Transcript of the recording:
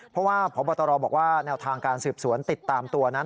เพราะว่าพบตรบอกว่าแนวทางการสืบสวนติดตามตัวนั้น